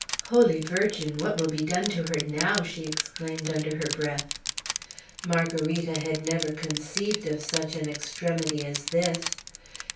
"Holy Virgin! what will be done to her now?" she exclaimed, under her breath. Margarita had never conceived of such an extremity as this.